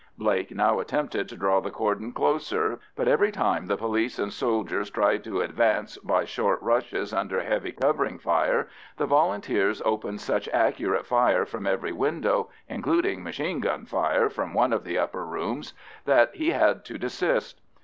Blake now attempted to draw the cordon closer, but every time the police and soldiers tried to advance by short rushes under heavy covering fire, the Volunteers opened such accurate fire from every window, including machine gun fire from one of the upper rooms, that he had to desist.